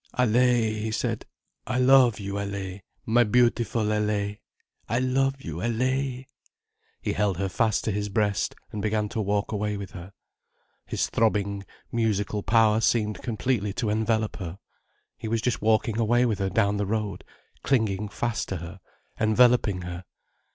"Allaye!" he said. "I love you, Allaye, my beautiful, Allaye. I love you, Allaye!" He held her fast to his breast and began to walk away with her. His throbbing, muscular power seemed completely to envelop her. He was just walking away with her down the road, clinging fast to her, enveloping her.